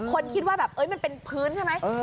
คิดว่าแบบมันเป็นพื้นใช่ไหม